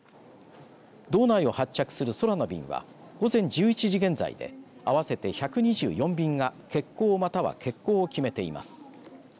道内を発着する空の便は午前１１時現在で合わせて１２４便が欠航、または欠航を決めています。